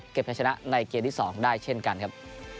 ก็ผสมกันในเกณฑ์ที่สองได้เช่นกันนะครับ